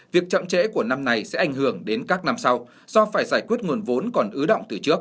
việc chậm trễ của năm này sẽ ảnh hưởng đến các năm sau do phải giải quyết nguồn vốn còn ứ động từ trước